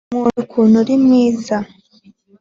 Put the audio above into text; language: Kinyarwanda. nkunda ukuntu uri mwiza.